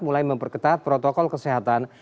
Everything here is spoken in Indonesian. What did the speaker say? mulai memperketat protokol kesehatan